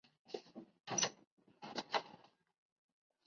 El número de heridos llegó a sesenta, siendo tres de ellos de gravedad.